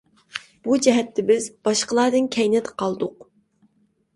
بۇ جەھەتتە بىز باشقىلاردىن كەينىدە قالدۇق.